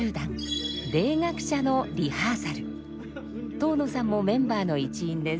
東野さんもメンバーの一員です。